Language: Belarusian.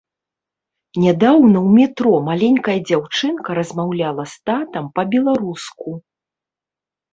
Нядаўна ў метро маленькая дзяўчынка размаўляла з татам па-беларуску.